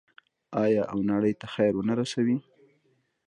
آیا او نړۍ ته خیر ورنه رسوي؟